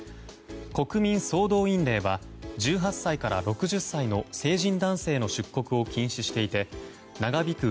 国民総動員令は１８歳から６０歳の成人男性の出国を禁止していて長引く